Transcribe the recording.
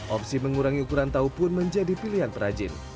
opsi mengurangi ukuran tahu pun menjadi pilihan perajin